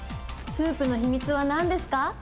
スープの秘密はなんですか？